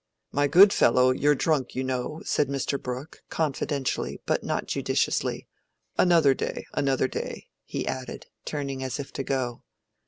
"My good fellow, you're drunk, you know," said Mr. Brooke, confidentially but not judiciously. "Another day, another day," he added, turning as if to go.